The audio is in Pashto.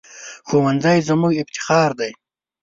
ښوونځی زموږ افتخار دی